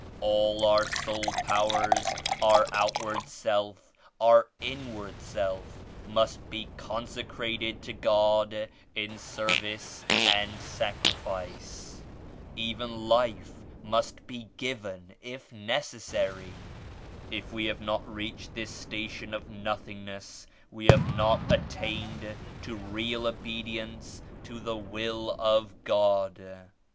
All our soul powers, our outward self, our inward self must be consecrated to God in service and sacrifice. Even life must be given if necessary. If we have not reached this station of nothingness we have not attained to real obedience to the Will of God.